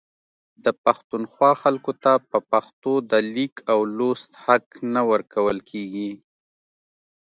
د پښتونخوا خلکو ته په پښتو د لیک او لوست حق نه ورکول کیږي